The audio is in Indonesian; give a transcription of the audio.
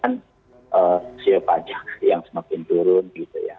rasio pajak yang semakin turun gitu ya